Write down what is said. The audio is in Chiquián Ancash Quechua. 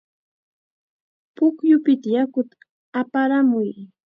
Pukyupita yakuta aparamuy.